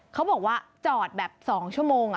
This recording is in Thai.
เขาบอกว่าจอดแบบ๒ชั่วโมง